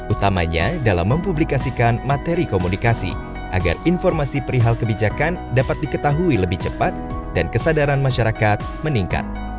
utamanya dalam mempublikasikan materi komunikasi agar informasi perihal kebijakan dapat diketahui lebih cepat dan kesadaran masyarakat meningkat